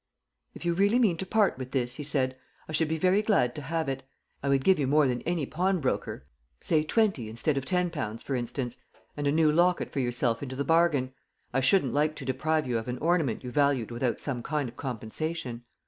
"If you really mean to part with this," he said, "I should be very glad to have it. I would give you more than any pawnbroker say, twenty instead of ten pounds, for instance and a new locket for yourself into the bargain. I shouldn't like to deprive you of an ornament you valued without some kind of compensation.